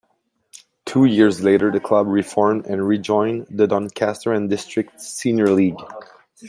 Two years later the club reformed and rejoined the Doncaster and District Senior League.